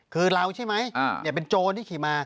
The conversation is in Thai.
คือเราใช่ไหมเป็นโจรที่ขี่มา